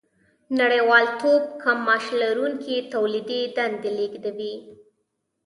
نړیوالتوب کم معاش لرونکي تولیدي دندې لېږدوي